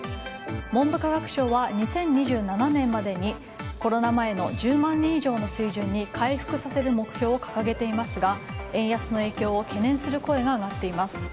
文部科学省は２０２７年までにコロナ前の１０万人以上の水準に回復させる目標を掲げていますが円安の影響を懸念する声が上がっています。